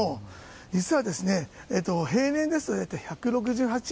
実は、平年ですと大体１６８円。